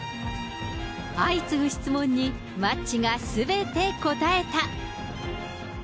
相次ぐ質問に、マッチがすべて答えた。